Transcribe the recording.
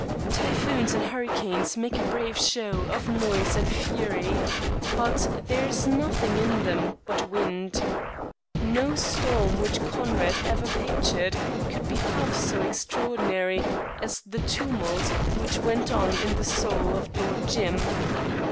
Typhoons and hurricanes make a brave show of noise and fury, but there is nothing in them but wind. No storm which Conrad ever pictured could be half so extraordinary as the tumult which went on in the soul of Lord Jim.